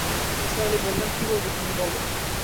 নিসার আলি বললেন, কী বলবে তুমি, বল।